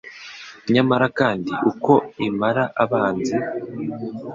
Nyamara kandi ukwo imara abanzi